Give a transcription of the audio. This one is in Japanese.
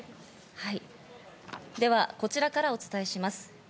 ではこちらからお伝えします。